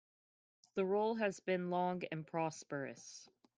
The rule has been long and prosperous.